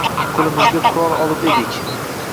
Qo‘limizga qurol olib edik.